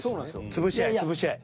潰し合え潰し合え。